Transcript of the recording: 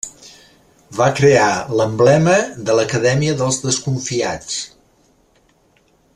Va crear l'emblema de l'Acadèmia dels Desconfiats.